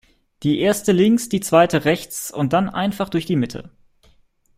Die Erste links, die Zweite rechts und dann einfach durch die Mitte.